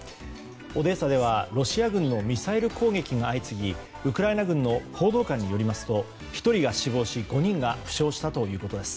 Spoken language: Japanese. オデーサではロシア軍のミサイル攻撃が相次ぎウクライナ軍の報道官によりますと１人が死亡し５人が負傷したということです。